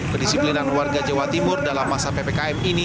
kedisiplinan warga jawa timur dalam masa ppkm ini